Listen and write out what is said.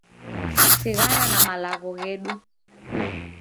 Sighana na malagho ghedu